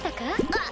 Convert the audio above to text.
あっ！